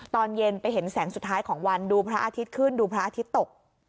ตอนเย็นไปเห็นแสงสุดท้ายของวันดูพระอาทิตย์ขึ้นดูพระอาทิตย์ตก